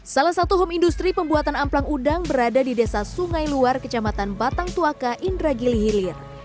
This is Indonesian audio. salah satu home industri pembuatan amplang udang berada di desa sungai luar kecamatan batang tuaka indragili hilir